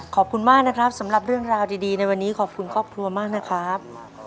ขอบคุณมากนะครับสำหรับเรื่องราวดีในวันนี้ขอบคุณครอบครัวมากนะครับ